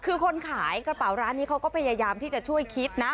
คือคนขายกระเป๋าร้านนี้เขาก็พยายามที่จะช่วยคิดนะ